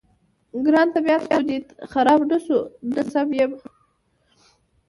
ګرانه، طبیعت خو دې خراب نه شو؟ نه، سم یم.